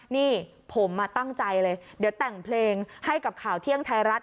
นี่ผมตั้งใจเลยเดี๋ยวแต่งเพลงให้กับข่าวเที่ยงไทยรัฐ